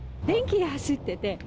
電気が走ってて。